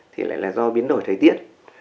thì lại là do biến đổi thời tiết